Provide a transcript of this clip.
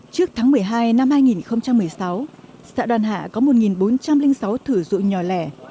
trước tháng một mươi hai năm hai nghìn một mươi sáu xã đoàn hạ có một bốn trăm linh sáu thử rụng nhỏ lẻ